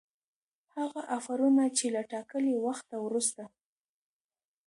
هغه آفرونه چي له ټاکلي وخته وروسته